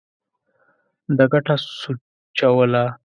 ده ګټه سوچوله.